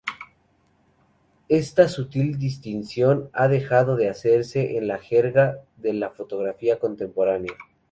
Esta sutil distinción ha dejado de hacerse en la jerga de la fotografía contemporánea.